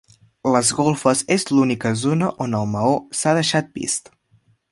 Les golfes és l'única zona on el maó s'ha deixat vist.